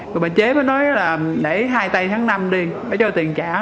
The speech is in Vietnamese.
rồi bà chế mới nói là để hai tay tháng năm đi bà cho tiền trả